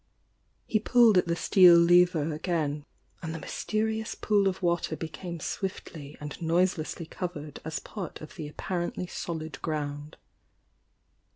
He pulled at the steel lever again, and the mys terious pool of water became swifth' and noiselessly covered as part of the apparently solid ground.